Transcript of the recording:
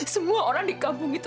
semua orang di kampung itu